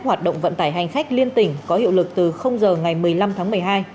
hoạt động vận tải hành khách liên tỉnh có hiệu lực từ giờ ngày một mươi năm tháng một mươi hai